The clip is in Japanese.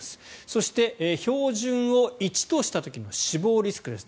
そして、標準を１とした時の死亡リスクです。